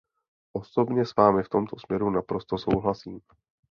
Osobně s vámi v tomto směru naprosto souhlasím.